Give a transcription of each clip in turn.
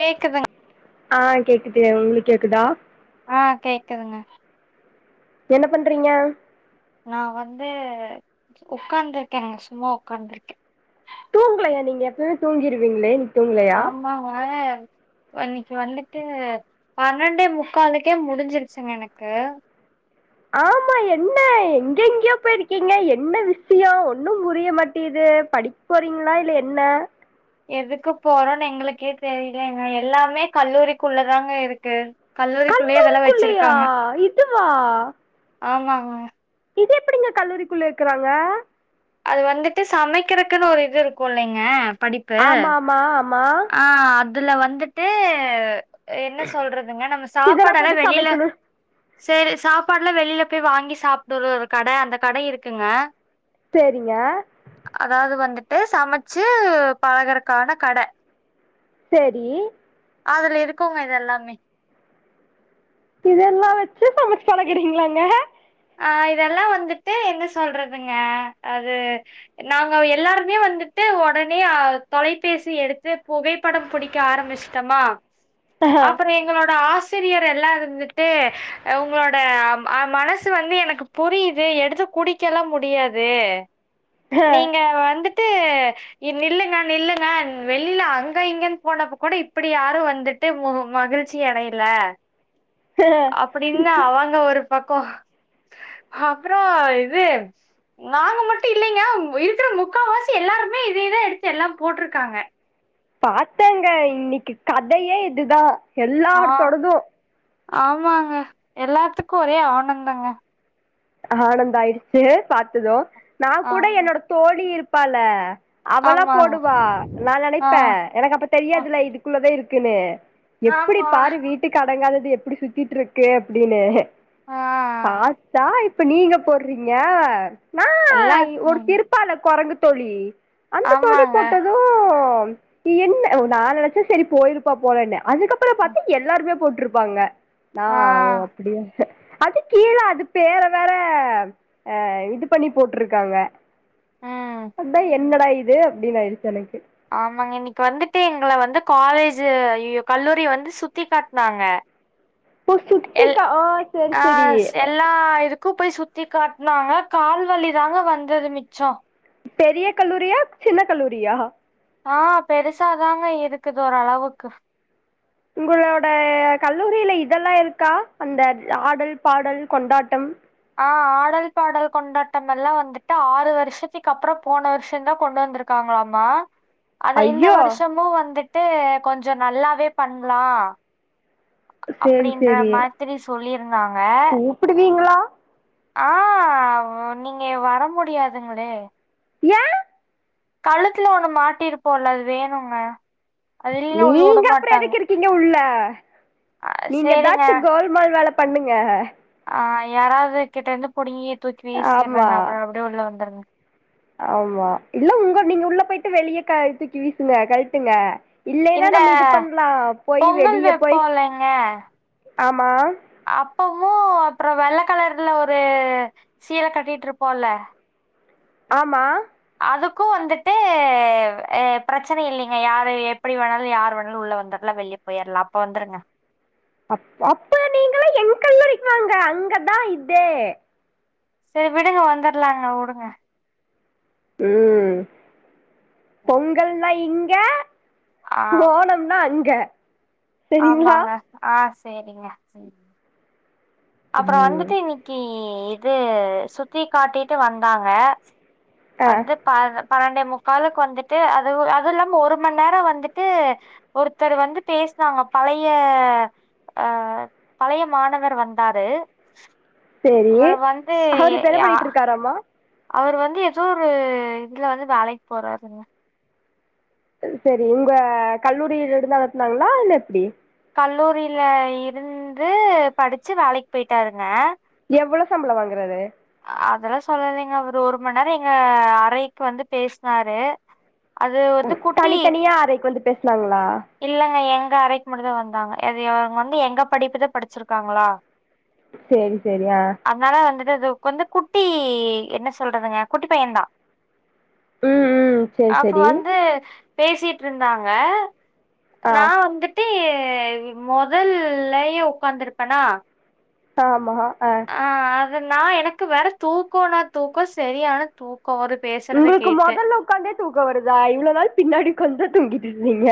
கேக்குதுங்க ஆ கேக்குது, உங்களுக்கு கேக்குதா? ஆ கேக்குதுங்க என்ன பண்றீங்க? நா வந்து உக்காந்துருக்கேங்க, சும்மா உக்காந்துருக்கே. தூங்கலையா நீங்க? எப்பவுமே தூங்கிருவீங்களே தூங்கலையா ஆமாங்க இன்னைக்கி வந்துட்டு, பன்னெண்டே முக்காலுக்கே முடிஞ்சிருச்சுங்க எனக்கு ஆமா, என்ன எங்கங்கயோ போயிருக்கீங்க, என்ன விஷ்யோ? ஒன்னு புரிய மாட்டிங்கிது. து படிக்க போறீங்ளா? இல்ல என்ன? எதுக்கு போறோன்னு எங்களுக்கே தெரிலங்க. எல்லாமே கல்லூரிக்குள்ளதாங்க இருக்கு. கல்லூரிக்குள்ளயே இதெல்லா கல்லூரிக்குள்ளயா? வச்சிருக்காங்க இதுவா? ஆமாங்க இது எப்டிங்க, கல்லூரிக்குள்ள இருக்றாங்க அது வந்துட்டு, சமைக்றக்குன்னு ஒரு இது இருக்கு இல்லைங்க படிப்பு ஆமா ஆமா ஆமா ஆ, அ அதுல வந்துட்டு என்ன சொல்றதுங்க, நம்ம இதெல்லா சாப்பாடுல்லா போட்டு வெளில சமைக்கணு சேரி, சாப்பாடுலா வெளில போய் வாங்கி சாப்புடுற ஒரு கட, அந்த கட இருக்குங்க சேரிங்க ட்டு சமச்சு, பழகுறக்கான கட சேரி அதுல இருக்குங்க இது எல்லாமே. இதெல்லா வச்சு, சமச்சு பழகுறீங்களாங்க? அ இதெல்லா வந்துட்டு என்ன சொல்றதுங்க, அது நாங்க எல்லாருமே வந்துட்டு ஒடனே ஆ தொலைபேசி எடுத்து, புகைப்படம் புடிக்க ஆரம்பிச்சிட்டமா ஆ, அப்பறோ எங்களோட ஆசி சிரியர் எல்லா இருந்துட்டு, அ உங்களோட ஆ, மனசு வந்து எனக்கு புரியுது, எடுத்து குடிக்கலா முடியாது. நீங்க வந்து ஆ நில்லுங்க, நில்லுங்க, வெளில அங்க, இங்கன்னு போனப்ப கூட, இப்டி யாரு வந்துட்டு மு மகிழ்ச்சி அடைல, அப்டின்னு அவங்க ஒரு பக்கோ. அ ஹப்ரோ இது நாங்க மட்டு இல்லேங்க இருக்கிற முக்காவாசி எல்லாருமே, இதேதா எடுத்து எல்லா போட்ருக்காங்க பாத்தேங்க இன்னிக்கு கதையே இதுதா ஆ எல்லார்த்தோடது ஆமாங்க எல்லாத்துக்கு ஒரே ஆனந்தங்க ஆனந்த ஆயிடுச்சு பாத்தது நா ஆ கூட என்னோட தோழி இருப்பால அவளா ஆமாங்க. போடுவா நா ஆ நெனைப்பே எனக்கு அப்ப ஆ தெரியாதுல்ல இதுக்குள்ளதா இருக்குன்னு எப்டி ஆமா பாரு வீட்டுக்கு அடங்காதது எப்டி சுத்திட்டுருக்கு அப்டின்னு ஆ பாத்தா இப்ப நீங்க போடுறீங்க நா எல்லா ஒருத்தி இருப்பால குரங்கு தோழி அந்த தோழி ஆமாங்க. போட்டதூ என்ன ஒ நா நெனச்சே சேரி போயிருப்பா போலன்னு அதுக்கப்புற பாத்தே எல்லாருமே போட் ட்ருப்பாங்க ந ஆ ஓ அப்படிய அது கீழே அது பேற வேற அ இது பண்ணி போட்ருக்காங்க ம். அதா என்னடா இது அப்டினு ஆயிடுச்சு எனக்கு ஆமாங்க இன்னைக்கு வந்துட்டு எங்கள வந்து காலேஜூ அய்யயோ கல்லூரிய வந்து சுத்தி காட்னாங்க ஓ எல் சுத்திக்கா ஆ செரி செரி ஆஹ் ஸ் எல்லா இது க்கு போய் சுத்தி காட்னாங்க கால்வலிதாங்க வந்தது மிச்சோ பெரிய கல்லூரியா சின்ன கல்லூரியா ஆஹ் பெருசாதாங்க இருக்குது ஓரளவுக்கு உங்களோட கல்லூரியில இதெல்லா இருக்கா அந்த ஆடல் பாடல் கொண்டாட்டம் [inaudible] டல் பாடல் கொண்டாட்டம் எல்லா வந்துட்டு ஆறு வருஷத்துக்கு அப்புற போன வருஷம்தா கொண்டு வந்திருக்காங்களாமா அத இந்த ஐயோ வருஷமு வந்துட்டு கொஞ்ச நல்லாவே பண்லா சேரி அப்டின்ற சேரி மாதிரி சொல்லிருந்தாங்க கூப்பிடுவீங்களா ஆஹ் நீங்க வர முடியாதுங்ளே ஏ கழுத்துல ஒண்ணு மாட்டிருப்போல அது வேணுங்க அது இல்லைன்னா உள்ள நீங்க அப்புற விடமாட்டாங்க எதுக்கு இருக்கீங்க உள்ள அ சேரிங்க நீங்கதாச்சு கோல்மால் வேலை பண்ணுங்க ஆஹ யாராவதுகிட்ட இருந்து புடுங்கி தூக்கி ஆமா வீசிறேங்க அப்புற அப்டியே உள்ளே வந்துருங்க ஆமா இல்ல உங்க நீங்க உள்ள போயிட்டு வெளியே க தூக்கி வீசுங்க கழட்டுங்க இல்லேனா இந்த நம்ம இது பண்லா போய் பொங்கல் வெளியே போய் வைப்போம் ஆமா அப்பவும் அப்புற வெள்ள கலர்ல ஒரு சீலை கட்டிட்ருப்போல ஆமா அதுக்கு வந்துட்டு பிரச்சனை இல்லிங்க யாரு எப்டி வேணாலு யார் வேணாலு உள்ள வந்துடலா வெளிய போயிரலா அப்ப வந்துருங்க அப் அப்ப நீங்கள எங் கல்லூரிக்குவாங்க அங்கதா இதே சே விடுங்க வந்துடலாங்க வுடுங்க உம் பொங்கல்னா இங்க ஆ ஓணம்னா அங்க சரிங்களா ஆமாங்க ஆஹ் சேரிங்க அப்புற ம் வந்துட்டு இன்னிக்கு இது சுத்தி காட்டிட்டு வந்தாங்க ஆ வந்து பார்ர பன்னெண்டே முக்காலுக்கு வந்துட்டு அது அது இல்லாம ஒரு மண் நேர வந்துட்டு ஒருத்தர் வந்து பேசி சுனாங்க பழைய ஆஹ பழைய மாணவர் வந்தாரு சரி அவரு வந்து அவரு இப்ப என்ன யா பண்ணிட்டு இருக்காராமா அவரு வந்து ஏதோ ஒரு இதுல வந்து வேலைக்கு போறாருங்க சேரி உங்க கல்லூரியில இருந்து நடத்துனாங்களா இல்ல எப்டி கல்லூரியில இருந்து படிச்சு வேலைக்கு போயிட்டாருங்க எவ்ளோ சம்பளம் வாங்குறாரு அதெல்லா சொல்லலேங்க அவரு ஒரு மண் நேரம் எங்க அறைக்கு வந்து பேசுனாரு அது வந்து குட்டி தனித்தனியா அறைக்கு வந்து பேசுனாங்களா இல்லங்க எங்க அறைக்கு மட்டு தா வந்தாங்க அது இவங்க வந்து எங்க படிப்புதா படிச்சிருக்காங்களா சேரி சேரி ஆ இந்த இது வந்து குட்டி என்ன சொல்றதுங்க குட்டி பையந்தா ம் ம் சரி அப்ப சரி வந்து பேசிட்டுருந்தாங்க ஆ நா வந்துட்டு மொதல்லயே ஒக்காந்துருப்பேனா ஆமா ஆ நா எனக்கு வேற தூக்கோனா தூக்கோ சரியான தூக் உங்களுக்கு மொதல்ல உக்காந்தே தூக்கோ வருதா இவ்ளோ நாள் பின்னாடி உக்காந்துதா தூங்கிட்ருந்தீங்க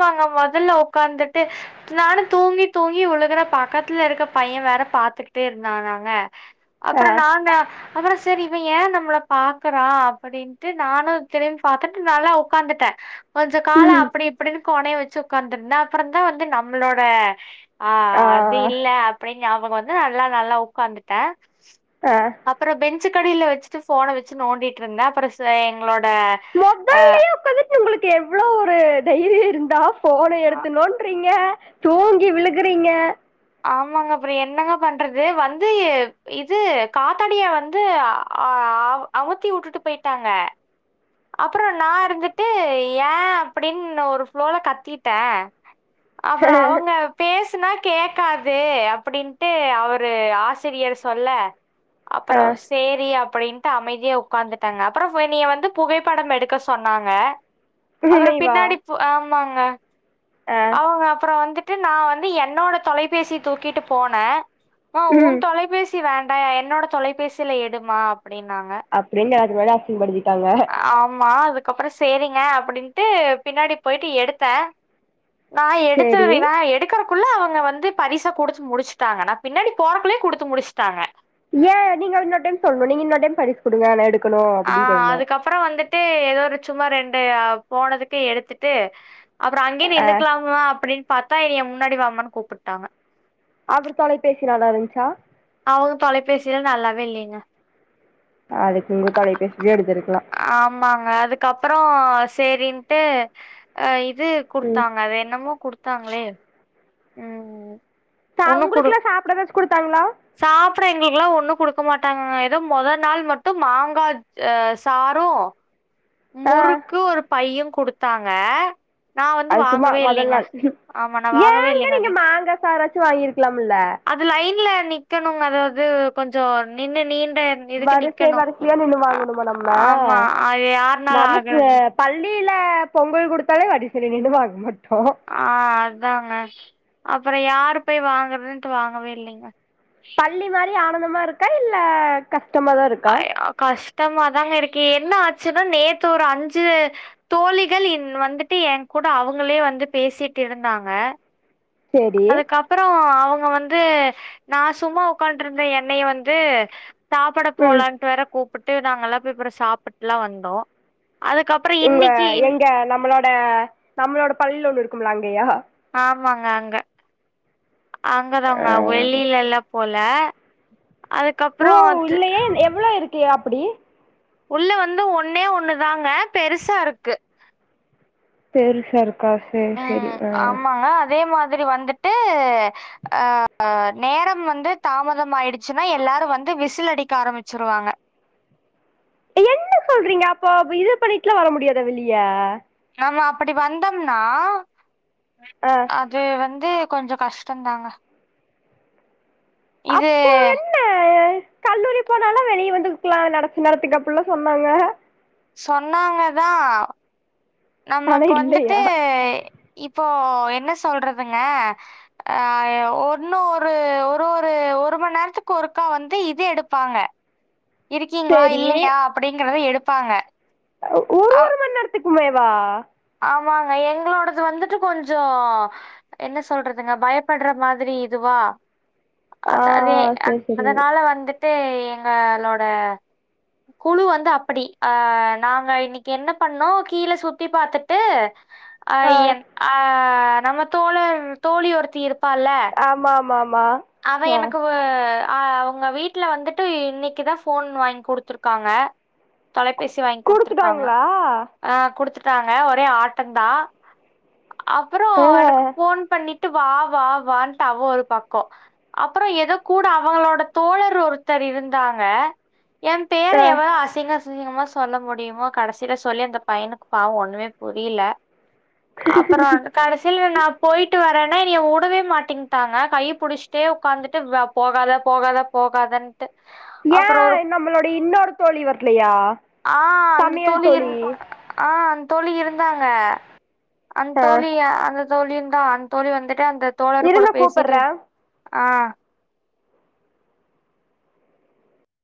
வாங்க மொதல்ல ஒக்காந்துட்டு நானு தூங்கி தூங்கி உழுகுறே பக்கத்துல இருக்க பைய வேற பாத்துக்கிட்டே இருந்தானாங்க ஆ அப்பறோ நாங்க அப்றோ சேரி இவே ஏ நம்மள பாக்குறா அப்டின்னுட்டு நானு திரிம்பிபாத்துட்டு நல்லா உக்காந்துட்டே [unintelligible] கொஞ்ச கால ம் அப்டி இப்டின்னு கோணையா வச்சி ஒக்காந்துருந்தா அப்பறந்தா வந்து நம்மளோட ஆ அது இல்ல அப்டின்னு ஞாபகோ வந்து நல்லா நல்லா உக்காந்துட்டே ஆ அப்பறோ பெஞ்சுக்கடில வச்சிட்டு போன வச்சி நோண்டிட்ருந்தே அப்றோ எங்களோட ஆ ஆ மொதல்லயே உக்காந்துட்டு உங்களுக்கு எவ்ளோ ஒரு தைரியோ இருந்தா போன ஆ எடுத்து நோண்டுறீங்க தூங்கி விழுகுறீங்க ஆமாங்க அப்றோ என்னங்க பண்றது வந்து இது காத்தாடிய வந்து ஆ பாவோ அமத்தி வுட்டுட்டு போயிட்டாங்க அப்றோ நா இருந்துட்டு ஏ அப்டின்னு ஒரு ப்ளோல கத்திட்டே அப்பறோ அவுங்க பேசுனா கேக் காது அப்டின்ட்டு அவரு ஆசிரியர் சொல்ல ஆ அப்பறோ சேரி அப் டின்ட்டு அமைதியா உக்காந்துட்டேங்க அப்றோ என்னிய வந்து புகைப்படம் எடுக்க சொன்னாங்க அப்பறோ நினைவா பின்னாடி ஆமாங்க ஆ அவங்க அப்பறோ வந்துட் டு நா வந்து என்னோட தொலைபேசி தூக்கிட்டு போன ம்மா உன் ம் தொலைபேசி வேண் டா என்னோட தொலைபேசில எடுமா அப்டினாங்க அப்டின்னு எல்லாத்து முன்னாடி அசிங்கப்படுத்திட்டாங்க ஆமா அதுக்கப்பறோ சேரிங்க அப்டின்ட்டு பின்னாடி போயிட்டு எடுத்தே நா சேரி எடுத்ருவே இவே நா எடுக்கறக்குள்ள அவுங்க வந்து பரிச குடுத்து முடிச்சிட்டாங்க நா பின்னாடி போறக்குள்ளயு குடுத்து முடிச்சிட்டாங்க ஏ நீங்க இன்னொரு டைம் சொல்லணு நீங்க இன்னொரு டைம் பரிசு குடுங்க நா எடு ஆ அதுக்கப்பறோ வந்துட் டு ஏதோ ஒரு சும்மா ரெண்டு போனதுக்கு எடுத்துட்டு அப்பறோ அங்கயே ஆ நின்னுக்கலாமா அப்டின்னு பாத்தா எண்ணிய முன்னாடி வாமான்னு கூப்பிட்டாங்க அவரு தொலைபேசி நல்லாருந்துச்சா அவுங்க தொலைபேசில நல்லாவே இல்லீங்க அதுக்கு உங்க தொலைபேசிலயே எடுத்துருக்கலா அதுக்கப்பறோ சேரின்ட்டு ஆ இது ம் குடுத்தாங்க அது என்னமோ குடுத் தாங்களே ம் ம் கா உங்ளுக்கெல்லா சாப்ட ஏதாச்சு குடுத்தாங்களா சாப்ட எங்களுக்குலா ஒண்ணு குடுக்க மாட்டாங்கங்க ஏதோ மொத நாள் மட்டு மாங்கா ஆ சா சாறு ஆ முறுக்கு ஒரு பையு குடுத்தாங்க நா வந்து அது சும்மா வாங்கவே மொதல் இல்லீங்க நாள் ஆமா நா வாங்கவே ஏங்க இல்லீங்க நீங்க அது மாங்கா சாராச்சு வாங்கிருக்கலாம்ல அது லைன்ல நிக்கணுங்க அதாவது கொஞ்சோ நின்னு நீண் இதுக்கு வரிசை நிக்கணு வரிசையா நின்னு ஆ ஆமா அது யார் நமக்கு பள்ளில பொங்கல் குடுத்தாலே வரிசேல நின்னு வாங்க மாட் ஆ அதாங்க அப்பறோ யாரு போய் வாங்கறதுன்ட்டு வாங்கவே இல்லீங்க பள்ளி மாரி ஆனந்தமருக்கா இல்ல கஷ்டமதாருக்கா டம்மாதாங்க இருக்கு என்ன ஆச்சுனா நேத்து ஒரு அஞ்சு தோழிகள் இன் வந்துட்டு ஏன் கூட அவுங்களே வந்து பேசிட் இருந்தாங்க சேரி அதுக்கப்பறோ அவங் ங்க வந்து நா சும்மா உக்காண்ட்ருந்த என்னய வந்து சாப்பட ம் போலான்ட் வேற கூப்புட்டு நாங்கல்லா பே அப்பற சாப்புட்லா வந்தோ அதுக்கப்புறோ இவ்ங்க இன்னிக்கி இன் எங்க நம்மளோட நம்ளோட பள்ளில ஒன்னு இருக்கும்லா அங்கயா ஆமாங்க அங்க ஆ அங்கதாங்க வெள்ளிலலா போல ஓ அதுக்கப்புறோ து இல்லயே எவ்ளோ இருக்கிய அப்புடி உள்ள வந்து ஒன்னே ஒன்னுதாங்க பெருசா இருக்கு பேருசா இருக்கா சேரி சேரி அ துரி வந்துட்டு அ அ நேரம் வந்து தாமதம் ஆயிடுச்சுனா எல்லாரு வந்து விசில் அடிக்க ஆரமிச்சிருவாங்க என்ன சொல்றீங்க அப்போப் இது பண்ணிட்லா வர முடியாத வெளிய நம்ம அப்படி வந்தம்னா ஆ அது வந்து கொஞ்சொ கஷ்ட்டந்தாங்க அப்போ என்ன கல்லூரி போனாலா வெளிய வந்துக்கலா நெடச்ச நேரத்துக் அப்புல்லா சொன்னாங்க சொன்னாங்கதா ஆனா நம்மக் வந்துட்டு இல்லையா இப்போ ஒ என்ன சொல்றதுங்க அ ய ஒன்னு ஒரு ஒரு ஒரு ஒரும நேர்த்துக் கொறுக்கா வந்து இது எடுப்பாங்க இருக்கீங்ளா சரி இல்லையா அப்புடிங்கிற எடுப்பாங்க ஒரு அ ஒரு மண் நேர்த்துக்குமேவா ஆமாங்க எங்ளோடது வந்துட்டு கொஞ்சோ என்ன சொல்றதுங்க பயப்பட்ற மாதுரி இதுவா அ ஆ அத் அதே சரி சரி அதனால வந்துட் டே எங்க ளோட குலு வந்து அப்படி அ நாங்க இன்னிக் என்ன பண்ணோ கீல சுத்தி பாத்துட் டு அ ஆ என் அ நம்ம தோழர் தோழி ஒருத்தி இருப் ஆமாமாம் அவ எனக்கு வ அ அவுங்க வீட்ல வந்துட்டு இன்னிக்கிதா ஃபோன் வாங் குடுத்துருக்காங்க தொலைபேசி வாங் குடுத்துர்க்காங்க குடுத்துட்டாங்களா அ குடுத்துர் டாங்க ஒரே ஆட்டந்தா அப்பறோ ஆ எனக்கு ஃபோன் பண்ணி ட்டு வா வா வான்ட் அவ ஒரு பக் கொ அப்பற எதோ கூட அவங்களோட தோழர் ஒருத்தர் இருந்தாங்க எம் பேர ஆ எவளோ அசிங்கஸ் சீங்கமா சொல்ல முடியுமோ கடசில சொல்லி அந்த பைனுக் பாவ் ஒன்னுமே புரிய்ல அப்பறோன்ட் கடசில நா போயிட்டு வரன்ன எனிய உடவே மாட்டேங்டாங்க கையுப் புடுஷ்டே உக்காந்துட்டு வ போகாத போகாத போகாதன் ஏன் நம்மளோட இன்னொரு தோழி வர்லையா ஆ அந்த தோழி இர் ஆ அந் தோழி இருந்தாங்க அந் ஆ தோழிய அந்த தோழியுந்தா அந் தோழி வந்துட்டு அந்த தோழர் கூட இருங்க பேசிட்டு கூப்பட்றேன் ஆ